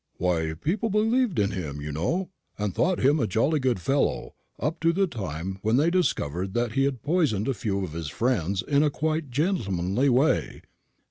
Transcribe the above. "Why, people believed in him, you know, and thought him a jolly good fellow, up to the time when they discovered that he had poisoned a few of his friends in a quiet gentlemanly way."